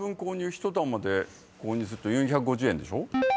１玉で購入すると４５０円でしょ。